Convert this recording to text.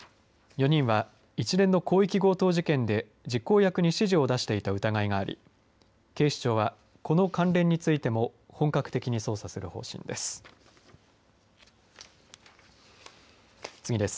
４人は一連の広域強盗事件で実行役に指示を出していた疑いがあり警視庁はこの関連についても本格的に捜査する方針です。